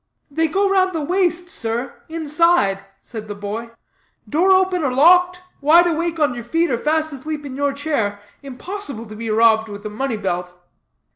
"They go round the waist, sir, inside," said the boy "door open or locked, wide awake on your feet or fast asleep in your chair, impossible to be robbed with a money belt."